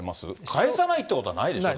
返さないっていうことはないでしょ。